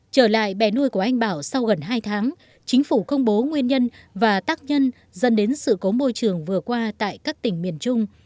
trở lại bè nuôi của anh bảo sau gần hai tháng chính phủ công bố nguyên nhân và tác nhân dân đến sự cố môi trường vừa qua tại các tỉnh miền trung